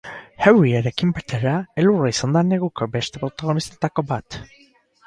Euriarekin batera, elurra izan da neguko beste protagonistetako bat.